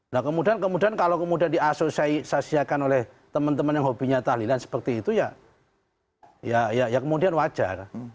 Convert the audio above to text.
nah kemudian kalau kemudian diasosiasiakan oleh teman teman yang hobinya tahlilan seperti itu ya kemudian wajar